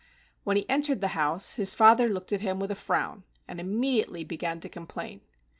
When he entered the house, his father looked at him with a frown and immediately began to complain.